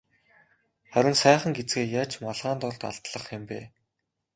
Харин сайхан гэзгээ яаж малгайн дор далдлах юм бэ?